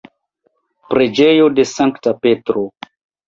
Preĝejo de Sankta Petro.